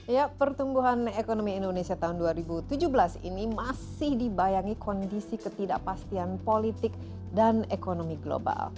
ya pertumbuhan ekonomi indonesia tahun dua ribu tujuh belas ini masih dibayangi kondisi ketidakpastian politik dan ekonomi global